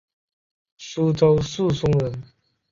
舒州宿松人。